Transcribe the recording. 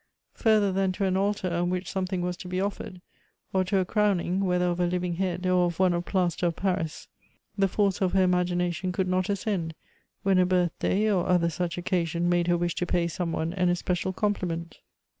Further than to an altar on which something was to be offered, or to a crowning, whetlier of a living head or of one of plaster of Paris, the force of her imagination could not ascend, when a birthday, or other such occa sion, made her wish to pay some one an especial com pliment.